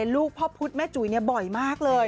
ลูกพ่อพุทธแม่จุ๋ยบ่อยมากเลย